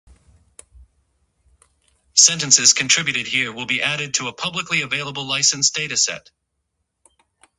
Sentences contributed here will be added to a publicly available licensed dataset.